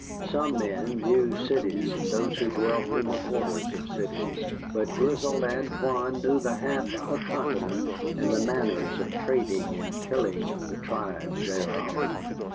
Some men know cities and those who dwell in the quarters of cities. But grizzled Antoine knew the half of a continent, and the manners of trading and killing of the tribes thereof.